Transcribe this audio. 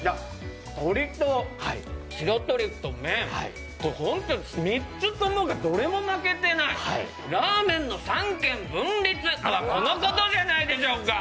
鶏と白トリュフと麺、本当に３つともがどれも負けてないラーメンの三権分立とはこのことじゃないでしょうか。